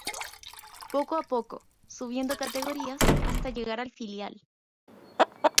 Poco a poco, subiendo categorías hasta llegar al filial.